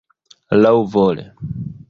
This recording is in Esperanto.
laŭvole